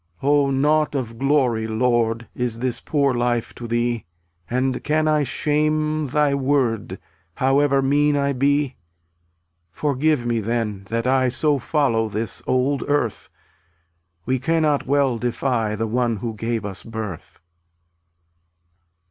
272 Oh, nought of glory, Lord, Is this poor life to Thee, And can I shame Thy Word, However mean I be? Forgive me, then, that I So follow this old earth; We cannot well defy The one who gave us birth.